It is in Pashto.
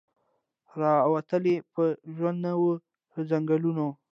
را وتلی په ژوند نه وو له ځنګلونو